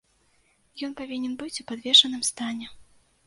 Ён павінен быць у падвешаным стане.